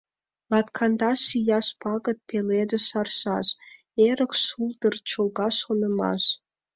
Латкандаш ияш пагыт — пеледыш аршаш: Эрык шулдыр, Чолга шонымаш.